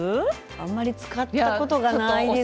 あまり使ったことがないです。